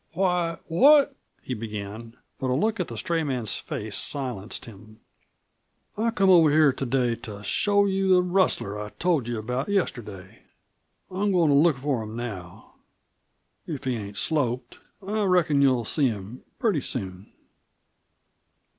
"Why, what ?" he began. But a look at the stray man's face silenced him. "I've come over here to day to show you that rustler I told you about yesterday. I'm goin' to look for him now. If he ain't sloped I reckon you'll see him pretty soon."